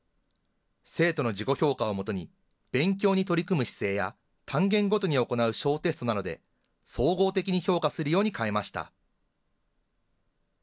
生徒の自己評価をもとに、勉強に取り組む姿勢や単元ごとに行う小テストなどで、総合的に評価するように変えました。